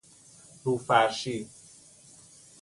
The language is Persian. رو فرشی